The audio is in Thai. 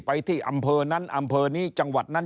ไปที่อำเภอนั้นอำเภอนี้จังหวัดนั้น